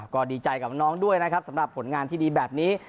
ก็ดีใจกับน้องด้วยนะครับสำหรับผลงานที่ดีแบบนี้